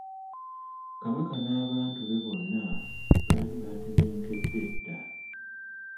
Kabaka n'abantu be bonna baali batebenkedde dda.